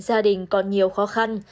gia đình còn nhiều khó khăn